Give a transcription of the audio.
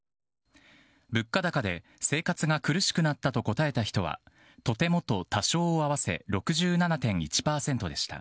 物価高で生活が苦しくなったと答えた人はとてもと、多少を合わせ６７．１％でした。